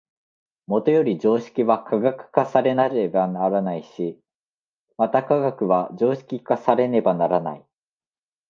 もとより常識は科学化されねばならないし、また科学は常識化されねばならない。